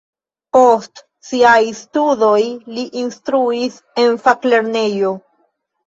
Post siaj studoj li instruis en faklernejo.